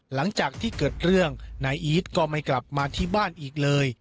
หลังจากที่เกิดเรื่องนายอีทก็ไม่กลับมาที่บ้านอีกเลย